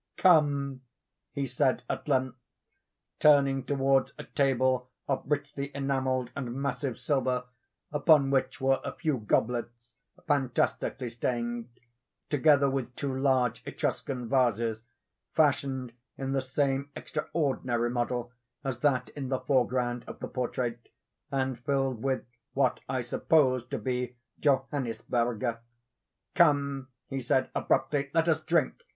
"Come," he said at length, turning towards a table of richly enamelled and massive silver, upon which were a few goblets fantastically stained, together with two large Etruscan vases, fashioned in the same extraordinary model as that in the foreground of the portrait, and filled with what I supposed to be Johannisberger. "Come," he said, abruptly, "let us drink!